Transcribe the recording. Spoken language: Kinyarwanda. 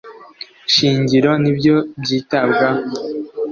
Shingiro ni byo byitabwaho